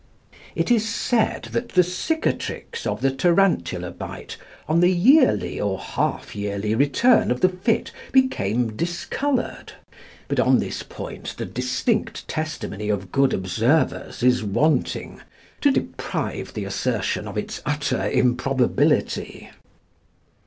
It is said that the cicatrix of the tarantula bite, on the yearly or half yearly return of the fit, became discoloured, but on this point the distinct testimony of good observers is wanting to deprive the assertion of its utter improbability.